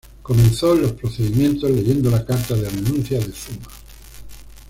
Comenzó los procedimientos leyendo la carta de renuncia de Zuma.